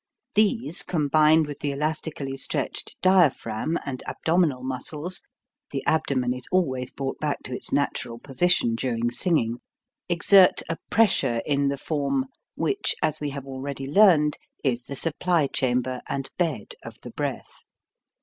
These combined with the elastically stretched dia phragm and abdominal muscles, the abdomen is always brought back to its natural position during singing, exert a pressure in the form, which, as we have already learned, is the supply chamber and bed of the breath.